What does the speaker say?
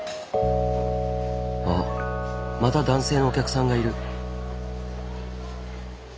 あっまた男性のお客さんがいる。